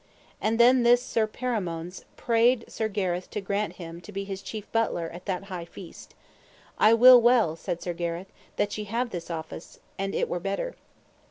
And then this Sir Perimones prayed Sir Gareth to grant him to be his chief butler at that high feast. I will well, said Sir Gareth, that ye have this office, and it were better.